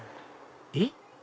えっ？